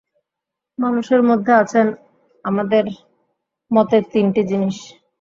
মানুষের মধ্যে আছেন, আমাদের মতে, তিনটি জিনিষ।